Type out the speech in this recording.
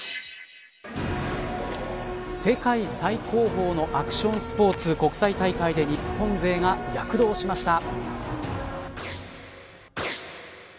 世界最高峰のアクションスポーツ国際大会で日本勢が躍動しました。